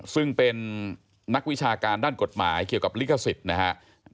ซึ่งเป็นนักวิชาการด้านกฎหมายเกี่ยวกับลิขสิทธิ์นะฮะ